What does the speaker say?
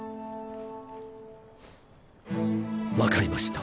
分かりました。